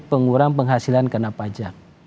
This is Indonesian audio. pengurang penghasilan kena pajak